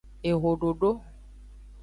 Ehododo.